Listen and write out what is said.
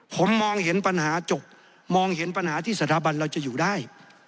ผมมองเห็นปัญหาจบมองเห็นปัญหาที่สถาบันเราจะอยู่ได้